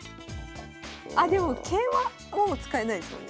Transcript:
あでも桂馬もう使えないですもんね